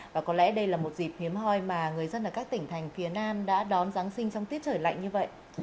và có lẽ đây là một dịp hiếm hoi mà người dân ở các tỉnh thành phía nam đã đón giáng sinh trong tiết trời lạnh như vậy